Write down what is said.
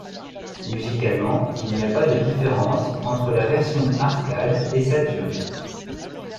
Musicalement, il n'y a pas de différence entre la version arcade et Saturn.